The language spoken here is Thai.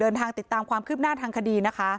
เดินทางติดตามความคืบหน้าทางคดีนะคะ